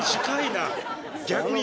近いなあ！